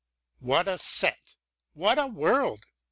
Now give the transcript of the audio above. What a set, what a world